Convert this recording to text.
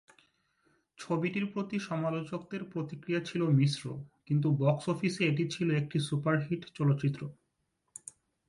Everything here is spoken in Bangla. ছবিটির প্রতি সমালোচকদের প্রতিক্রিয়া ছিলো মিশ্র, কিন্তু বক্স অফিসে এটি ছিলো একটি সুপারহিট চলচ্চিত্র।